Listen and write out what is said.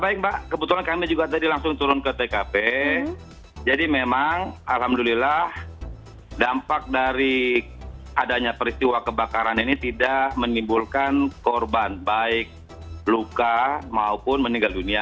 baik mbak kebetulan kami juga tadi langsung turun ke tkp jadi memang alhamdulillah dampak dari adanya peristiwa kebakaran ini tidak menimbulkan korban baik luka maupun meninggal dunia